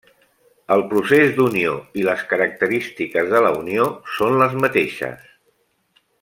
El procés d'unió i les característiques de la unió són les mateixes.